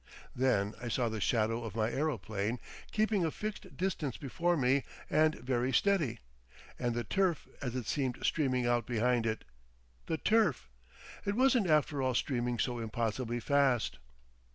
Then I saw the shadow of my aeroplane keeping a fixed distance before me and very steady, and the turf as it seemed streaming out behind it. The turf!—it wasn't after all streaming so impossibly fast.